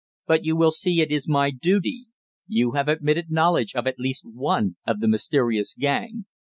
But you will see it is my duty. You have admitted knowledge of at least one of the mysterious gang."